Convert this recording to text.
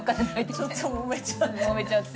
ちょっともめちゃって。